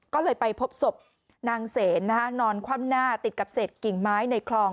ก็เลยไปพบศพนางเสนนอนคว่ำหน้าติดกับเศษกิ่งไม้ในคลอง